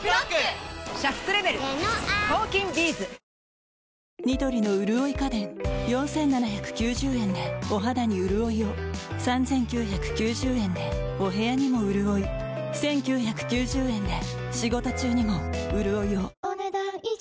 もうアカンわって実はここから４，７９０円でお肌にうるおいを３，９９０円でお部屋にもうるおい１，９９０円で仕事中にもうるおいをお、ねだん以上。